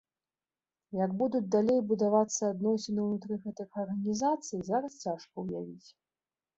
Як будуць далей будавацца адносіны ўнутры гэтых арганізацый, зараз цяжка ўявіць.